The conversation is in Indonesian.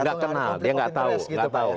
gak kenal dia gak tau